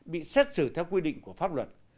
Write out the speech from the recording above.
bị xét xử theo quy định của pháp luật